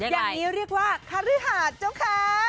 อย่างนี้เรียกว่าคฤหาสเจ้าค้า